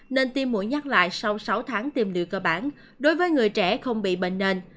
nên tiêm mũi nhắc lại sau sáu tháng tiêm liều cơ bản đối với người trẻ không bị bệnh nền